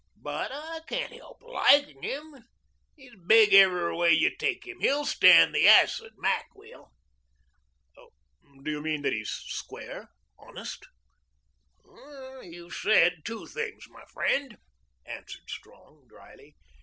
But I can't help liking him. He's big every way you take him. He'll stand the acid, Mac will." "Do you mean that he's square honest?" "You've said two things, my friend," answered Strong dryly.